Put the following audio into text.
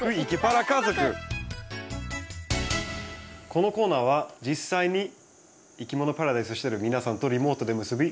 このコーナーは実際にいきものパラダイスしてる皆さんとリモートで結び